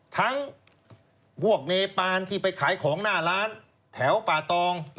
ทั้งพวกเนปานที่ไปขายของหน้าร้านแถวป่าตอง